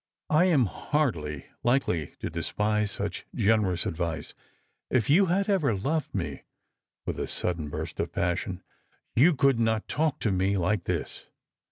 " I am hardly likely to despise such generous advice. If you had ever loved me," with a sudden burst of passion, "you could not talk to me like this."